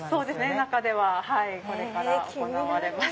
中ではこれから行われます。